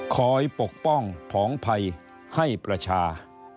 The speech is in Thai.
คอยปกป้องผองไพรให้ประชา